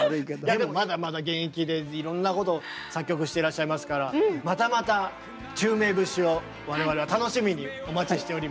いやでもまだまだ現役でいろんなこと作曲していらっしゃいますからまたまた宙明節を我々は楽しみにお待ちしております。